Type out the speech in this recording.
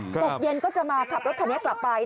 ตกเย็นก็จะมาขับรถคันนี้กลับไป